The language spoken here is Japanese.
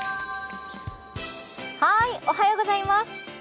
おはようございます。